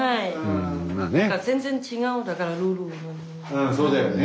うんそうだよね